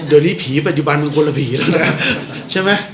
เดี๋ยวนี้ผีปัจจุบันมึงคนละผีแล้วแล้วกันใช่ไหม